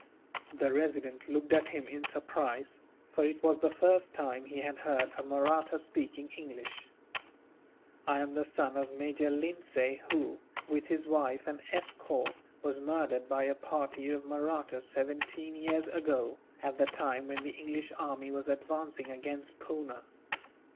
The Resident looked at him in surprise, for it was the first time he had heard a Mahratta speaking English. "I am the son of Major Lindsay who, with his wife and escort, was murdered by a party of Mahrattas, seventeen years ago, at the time when the English army was advancing against Poona.